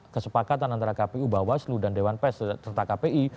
kesepakatan antara kpu bawaslu dan dewan pers serta kpi